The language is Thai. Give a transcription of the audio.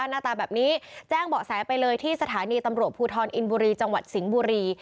หน้าตาแบบนี้แจ้งเบาะแสไปเลยที่สถานีตำรวจภูทรอินบุรีจังหวัดสิงห์บุรี